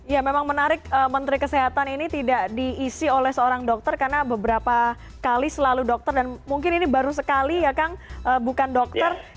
ya memang menarik menteri kesehatan ini tidak diisi oleh seorang dokter karena beberapa kali selalu dokter dan mungkin ini baru sekali ya kang bukan dokter